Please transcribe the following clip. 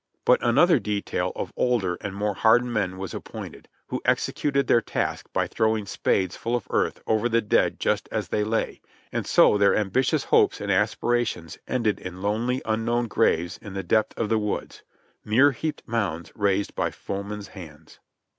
But another detail of older and more hardened men was appointed, who executed their task by throw ing spades full of earth over the dead just as they lay, and so their ambitious hopes and aspirations ended in lonely unknown graves in the depth of the woods — mere heaped mounds raised by foe man's hands.